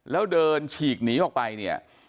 แล้วเดินฉีกหนีออกไปเนี่ย